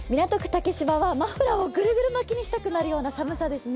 竹芝はマフラーをぐるぐる巻きにしたくなるような寒さですね。